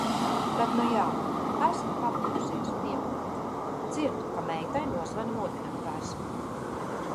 Bet nu jā, esmu pamodusies un iepūt! Dzirdu, ka meitai nozvana modinātājs.